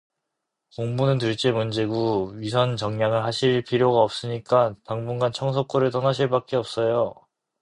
공부는 둘째 문제구 위선 정양을 허실 필요가 있으니까 당분간 청석골을 떠나실밖에 없어요.